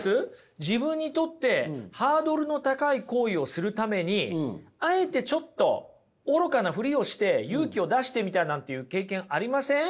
自分にとってハードルの高い行為をするためにあえてちょっと愚かなふりをして勇気を出してみたなんていう経験ありません？